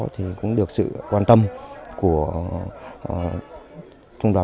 thì cũng được sự quan tâm của trung đoàn một trăm bốn mươi một